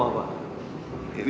dan bernyawa pak